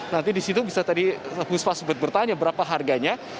nanti disitu bisa tadi buspa sempat bertanya berapa harganya